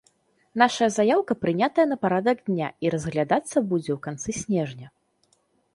Нашая заяўка прынятая на парадак дня і разглядацца будзе ў канцы снежня.